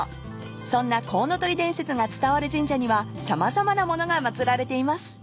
［そんなコウノトリ伝説が伝わる神社には様々な物が祭られています］